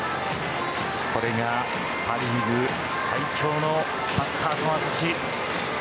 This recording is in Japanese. これが、パ・リーグ最強のバッターの証し。